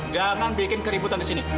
jangan bikin keributan disini